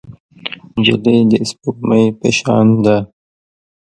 نجلۍ د سپوږمۍ په شان ده.